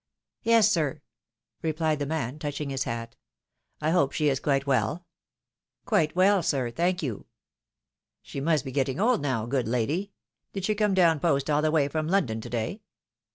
Yes, sir," replied the man, touching his hat. " I hope she is quite well ?"" Quite well, sir, thank you.'' " She must be getting old now, good lady. Did she come down post all the way from London to day